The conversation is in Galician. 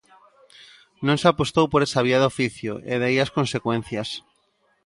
Non se apostou por esa vía de oficio, e de aí as consecuencias.